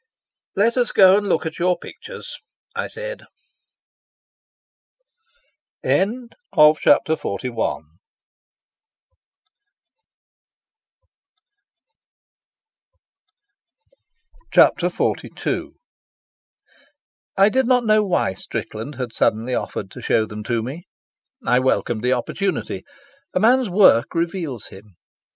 "Let us go and look at your pictures," I said. Chapter XLII I did not know why Strickland had suddenly offered to show them to me. I welcomed the opportunity. A man's work reveals him.